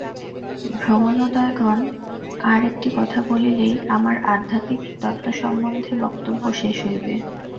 ভদ্রমহোদয়গণ, আর একটি কথা বলিলেই আমার আধ্যাত্মিক তত্ত্বসম্বন্ধে বক্তব্য শেষ হইবে।